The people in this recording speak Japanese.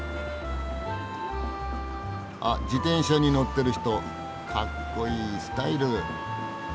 あっ自転車に乗ってる人かっこいいスタイル。